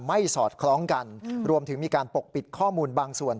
สอดคล้องกันรวมถึงมีการปกปิดข้อมูลบางส่วน